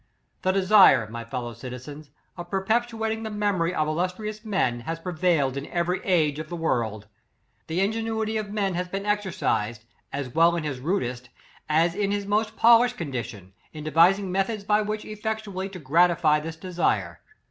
" The desire, my fellow citizens, of per petuating the memory of illustrious men, has prevailed in every age of the world. The ingenuity of men has been exercised, as well in his rudest, as in his most polish ed condition, in devising methods by which effectually to gratify this desire.